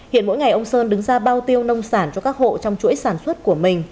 hiện mỗi ngày ông sơn đứng ra bao tiêu nông sản cho các hộ trong chuỗi sản xuất của mình